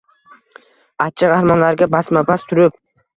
Achchiq armonlarga basma-basma turib.